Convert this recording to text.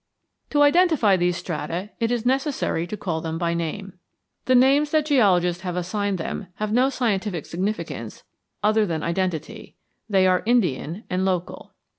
To identify these strata, it is necessary to call them by name. The names that geologists have assigned them have no scientific significance other than identity; they are Indian and local.